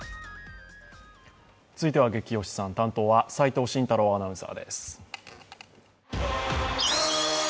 続いては「ゲキ推しさん」担当は齋藤慎太郎アナウンサーです。